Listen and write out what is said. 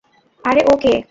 আরে ও কে?